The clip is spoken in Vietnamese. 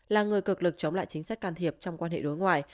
là người cực lực chống lại chính sách can thiệp trong quan hệ đối ngoại